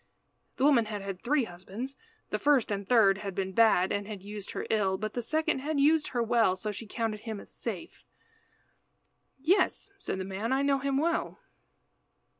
The woman had had three husbands. The first and third had been bad and had used her ill, but the second had used her well, so she counted him as safe. "Yes," said the man, "I know him well."